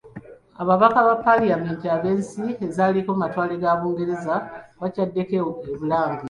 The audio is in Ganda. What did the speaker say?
Ababaka ba Paalamenti ab'ensi ezaaliko amatwale ga Bungereza bakyaddeko e Bulange.